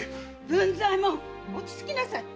文左衛門落ち着きなさい！